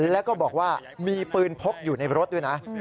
แล้วก็บอกว่ามีปืนพกอยู่ในรถด้วยนะ